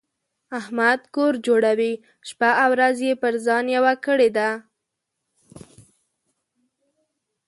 احمد کور جوړوي؛ شپه او ورځ يې پر ځان یوه کړې ده.